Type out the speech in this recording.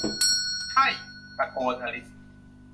ใช่ !' ตะโกนอลิซ